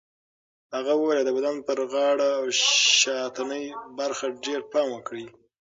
هغه وویل د بدن پر غاړه او شاتنۍ برخه ډېر پام وکړئ.